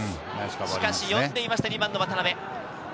しかし読んでいました、２番・渡邊。